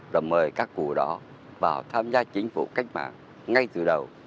rồi mời các cụ đó vào tham gia chính phủ cách mạng ngay từ đầu